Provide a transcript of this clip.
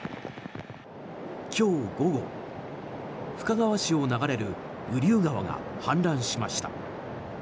今日午後、深川市を流れる雨竜川が氾濫しました。